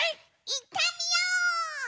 いってみよう！